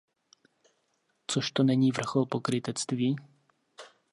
Což to není vrchol pokrytectví?